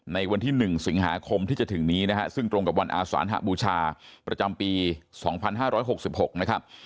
ในวันที่๑สิงหาคมที่จะถึงนี้นะฮะซึ่งตรงกับวันอาสานหบูชาประจำปี๒๕๖๖นะครับ